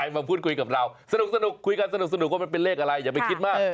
มาพูดคุยกับเราสนุกคุยกันสนุกว่ามันเป็นเลขอะไรอย่าไปคิดมาก